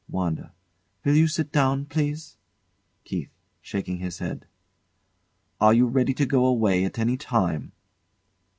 WANDA. Will you sit down, please? KEITH. [Shaking his head] Are you ready to go away at any time?